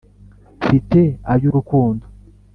mfite ay'urukundo